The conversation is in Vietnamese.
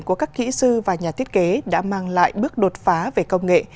của các kỹ sư và nhà thiết kế đã mang lại bước đột phá về công nghệ